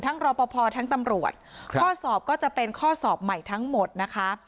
รอปภทั้งตำรวจข้อสอบก็จะเป็นข้อสอบใหม่ทั้งหมดนะคะ